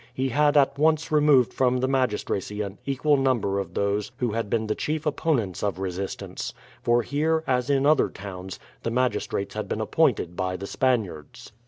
He had at once removed from the magistracy an equal number of those who had been the chief opponents of resistance; for here, as in other towns, the magistrates had been appointed by the Spaniards.